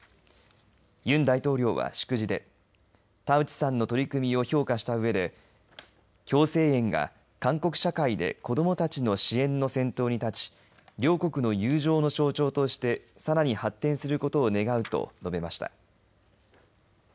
ユン大統領は祝辞で田内さんの取り組みを評価したうえで共生園が韓国社会で子どもたちの支援の先頭に立ち両国の友情の象徴としてさらに発展することを願うと述べました。